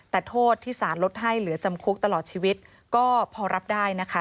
แต่โทษที่สารลดให้เหลือจำคุกตลอดชีวิตก็พอรับได้นะคะ